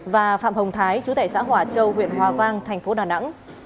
và phạm hồng thái chú tại xã hòa châu huyện hòa vang thành phố đà nẵng